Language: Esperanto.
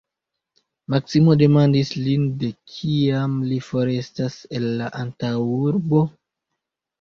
Maksimo demandis lin, de kiam li forestas el la antaŭurbo?